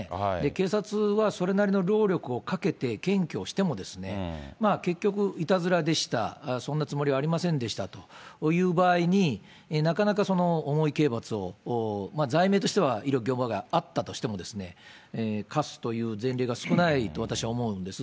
警察はそれなりの労力をかけて検挙しても、結局、いたずらでした、そんなつもりはありませんでしたという場合に、なかなか重い刑罰を、罪名としては威力業務妨害あったとしても、科すという前例が少ないと私は思うんです。